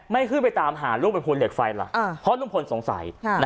ไม่ขึ้นไปตามหาลูกบนภูเหล็กไฟล่ะเพราะลุงพลสงสัย